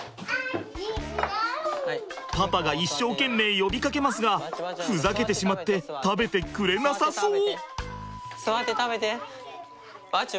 パパが一生懸命呼びかけますがふざけてしまって食べてくれなさそう。